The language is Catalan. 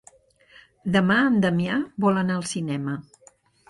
Demà en Damià vol anar al cinema.